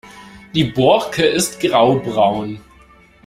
Die Borke ist grau-braun.